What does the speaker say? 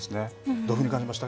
どういうふうに感じました？